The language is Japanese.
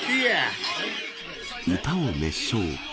歌を熱唱。